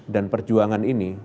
dan perjuangan ini